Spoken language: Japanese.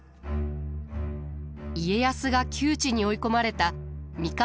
家康が窮地に追い込まれた三河